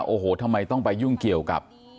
โอ้โหทำไมต้องไปยุ่งเกี่ยวกับ